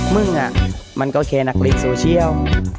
มึงมันก็แค่นักลิกโซเชียล